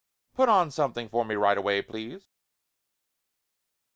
"Put on something for me right away please?"